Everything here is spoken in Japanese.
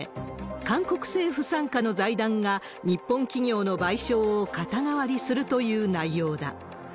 韓国政府傘下の財団が、日本企業の賠償を肩代わりするという内容だ。